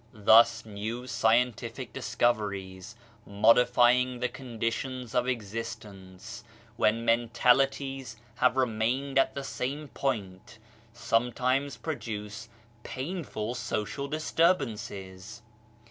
Thus new scientific discoveries, modifying the condi tions of existence, when mentalities have remained at the same point, sometimes produce painful social disturbances.